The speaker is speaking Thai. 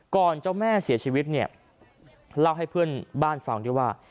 เจ้าแม่เสียชีวิตเนี่ยเล่าให้เพื่อนบ้านฟังด้วยว่า